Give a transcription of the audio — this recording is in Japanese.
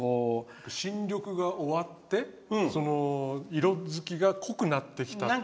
新緑が終わって色付きが濃くなってきたっていう。